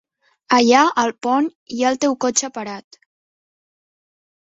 Allà, al pont, hi ha el teu cotxe parat.